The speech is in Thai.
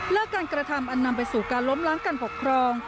การกระทำอันนำไปสู่การล้มล้างการปกครอง